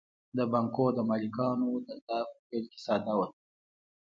د بانکونو د مالکانو دنده په پیل کې ساده وه